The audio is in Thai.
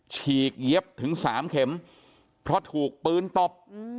ฉีกเย็บถึง๓เข็มเพราะถูกปืนตบ